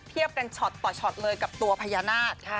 เทียบกันช็อตต่อช็อตเลยกับตัวพญานาค